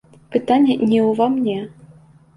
Пытанне не ўва мне.